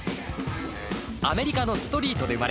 アメリカのストリートで生まれ